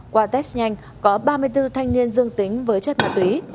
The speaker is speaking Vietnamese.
qua test nhanh có ba mươi bốn thanh niên dương tính với chất ma túy